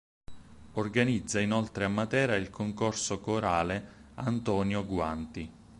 Organizza inoltre a Matera il concorso corale "Antonio Guanti".